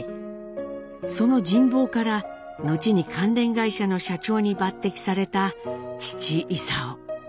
その人望から後に関連会社の社長に抜てきされた父勲。